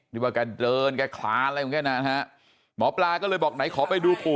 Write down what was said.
ดูว่ากันเดินกันคลานอะไรอย่างนั้นหมอปลาก็เลยบอกไหนขอไปดู